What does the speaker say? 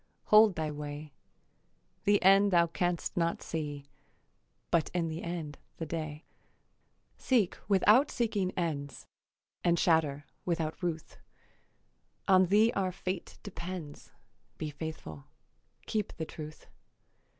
Hold thy way. The end thou canst not see, But in the end the day. Seek without seeking ends, And shatter without ruth; On thee our fate depends; Be faithful, keep the truth.